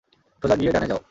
সোজা গিয়ে, ডানে যাও।